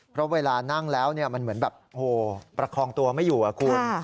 เพราะเวลานั่งแล้วมันเหมือนแบบประคองตัวไม่อยู่อะคุณ